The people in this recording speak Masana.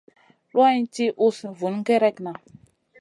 Luwayna ti usna vun gerekna.